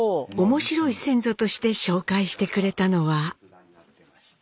面白い先祖として紹介してくれたのは。